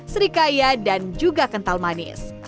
serikaya dan juga kental manis